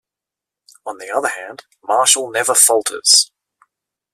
On the other hand, Marshall never falters.